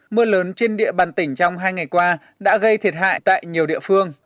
mưa lớn trên địa bàn tỉnh trong hai ngày qua đã gây thiệt hại tại nhiều địa phương